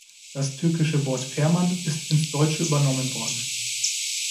Das türkische Wort "Ferman" ist ins Deutsche übernommen worden.